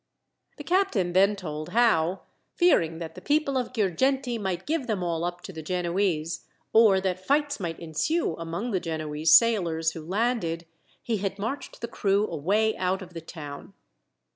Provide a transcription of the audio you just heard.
The captain then told how, fearing that the people of Girgenti might give them all up to the Genoese, or that fights might ensue among the Genoese sailors who landed, he had marched the crew away out of the town.